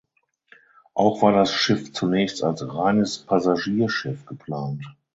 Auch war das Schiff zunächst als reines Passagierschiff geplant.